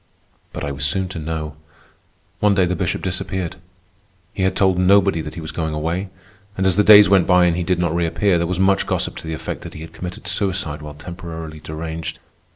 But I was soon to know. One day the Bishop disappeared. He had told nobody that he was going away; and as the days went by and he did not reappear, there was much gossip to the effect that he had committed suicide while temporarily deranged.